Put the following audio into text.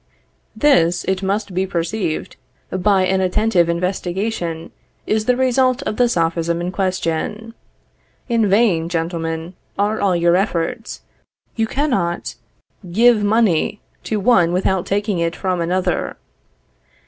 This, it must be perceived, by an attentive investigation, is the result of the Sophism in question. In vain, gentlemen, are all your efforts; you cannot give money to one without taking it from another.